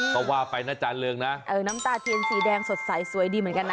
พอว่าไปน้ำตาเทียนสีแดงสดใสสวยดีเหมือนกันนะ